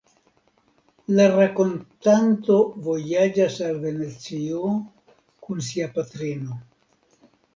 La rakontanto vojaĝas al Venecio kun sia patrino.